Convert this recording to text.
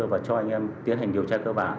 và cho anh em tiến hành điều tra cơ bản